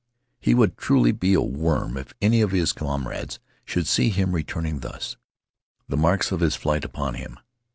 He would truly be a worm if any of his comrades should see him returning thus, the marks of his flight upon him.